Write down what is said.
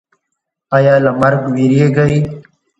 ایا له مرګ ویریږئ؟